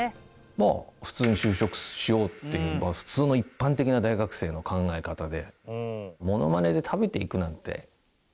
まあ普通に就職しようっていう普通の一般的な大学生の考え方で。